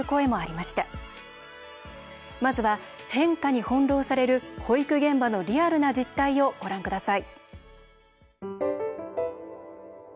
まずは変化に翻弄される保育現場のリアルな実態をご覧ください。